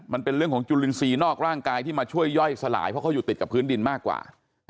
มันเป็นเรื่องของจุลินทรีย์นอกร่างกายที่มาช่วยย่อยสลายเพราะเขาอยู่ติดกับพื้นดินมากกว่า